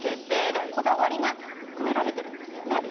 でも、こだわりが込められてるんですよね？